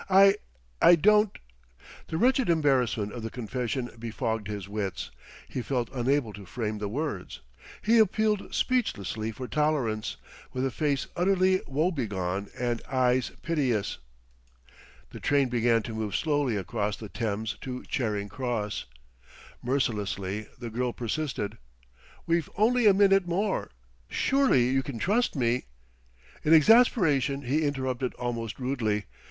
"I I don't " The wretched embarrassment of the confession befogged his wits; he felt unable to frame the words. He appealed speechlessly for tolerance, with a face utterly woebegone and eyes piteous. The train began to move slowly across the Thames to Charing Cross. Mercilessly the girl persisted. "We've only a minute more. Surely you can trust me...." In exasperation he interrupted almost rudely.